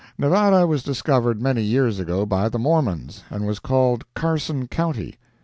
Nevada was discovered many years ago by the Mormons, and was called Carson county.